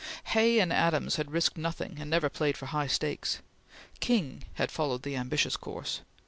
Hay and Adams had risked nothing and never played for high stakes. King had followed the ambitious course.